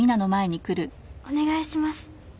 お願いします。